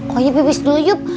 kau nyip pipis dulu yuk